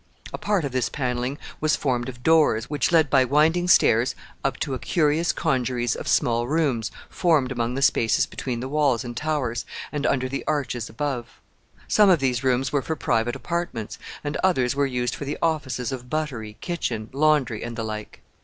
A part of this paneling was formed of doors, which led by winding stairs up to a curious congeries of small rooms formed among the spaces between the walls and towers, and under the arches above. Some of these rooms were for private apartments, and others were used for the offices of buttery, kitchen, laundry, and the like.